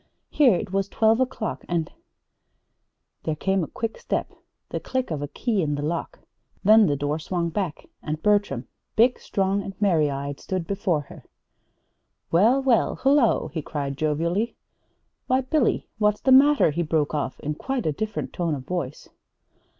Here it was twelve o'clock, and There came a quick step, the click of a key in the lock, then the door swung back and Bertram, big, strong, and merry eyed, stood before her. "Well, well, hullo," he called jovially. "Why, Billy, what's the matter?" he broke off, in quite a different tone of voice.